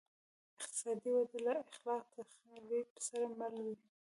اقتصادي وده له خلاق تخریب سره مله وه